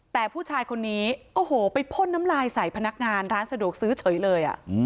แต่ผู้ชายคนนี้โอ้โหไปพ่นน้ำลายใส่พนักงานร้านสะดวกซื้อเฉยเลย